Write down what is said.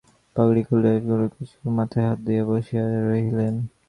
পাগড়ি খুলিয়া খুড়াসাহেব কিছুকাল মাথায় হাত দিয়া বসিয়া রহিলেন।